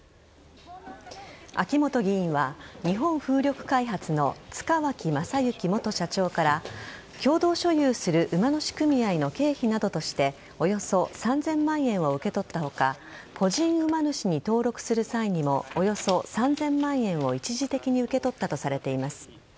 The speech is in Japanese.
秋本議員は日本風力開発の塚脇正幸元社長から共同所有する馬主組合の経費などとしておよそ３０００万円を受け取った他個人馬主に登録する際にもおよそ３０００万円を一時的に受け取ったとされています。